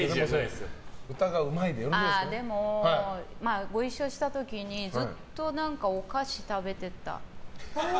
でも、ご一緒した時にずっとお菓子食べてた。